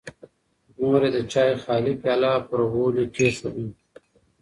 مور یې د چایو خالي پیاله پر غولي کېښوده.